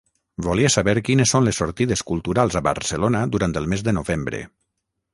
Volia saber quines son les sortides culturals a Barcelona durant el mes de novembre.